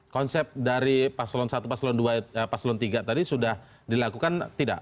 konsep dari paslon satu paslon tiga tadi sudah dilakukan tidak